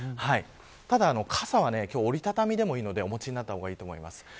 ただ傘は折り畳みでもいいので今日はお持ちになった方がいいと思います。